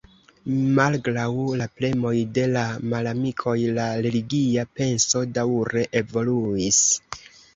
Malgraŭ la premoj de la malamikoj, la religia penso daŭre evoluis.